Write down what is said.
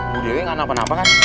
bu dewi gak ngerapan rapan